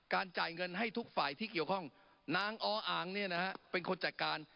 จ่ายเงินให้ทุกฝ่ายที่เกี่ยวข้องนางออ่างเนี่ยนะฮะเป็นคนจัดการ